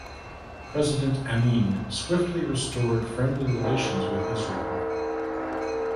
President Amin swiftly restored friendly relations with Israel.